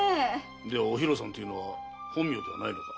では「おひろさん」というのは本名ではないのか？